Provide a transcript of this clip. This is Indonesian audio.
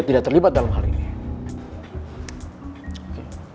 tidak terlibat dalam hal ini